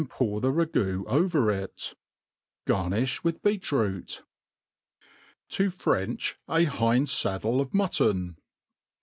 pour the ragoo over it^ G^rnifli with b^et root. TV Trmch a Hind Saddle of Mutton*